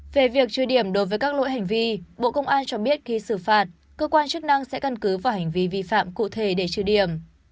về việc trừ điểm đối với các lỗi hành vi bộ công an cho biết khi xử phạt cơ quan chức năng sẽ căn cứ vào hành vi vi phạm cụ thể để trừ điểm